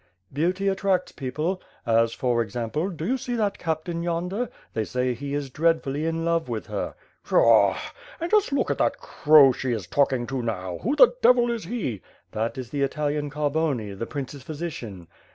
"Beauty attracts people; as, for example, do you see that captain yonder? they say he is dreadfully in love with her." "Pshaw! And just look at that crow she is taiking to now. Who the devil is he?" "That is the Italian Carboni, the prince's physician."